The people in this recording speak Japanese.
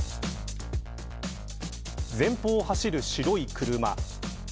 前方を走る白い車。